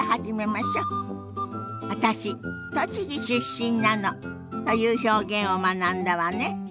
「私栃木出身なの」という表現を学んだわね。